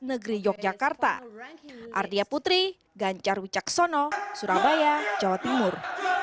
negeri yogyakarta ardia putri gancar wijaksono surabaya jawa timur